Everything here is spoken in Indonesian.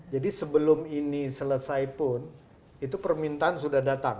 jadi sebelum ini selesai pun itu permintaan sudah datang